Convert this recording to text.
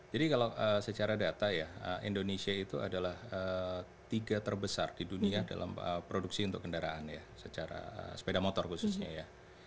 jadi kalau secara data ya indonesia itu adalah tiga terbesar di dunia dalam produksi untuk kendaraan ya secara sepeda motor khususnya ya